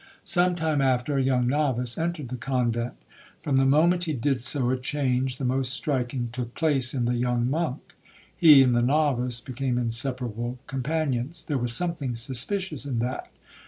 'Some time after, a young novice entered the convent. From the moment he did so, a change the most striking took place in the young monk. He and the novice became inseparable companions—there was something suspicious in that.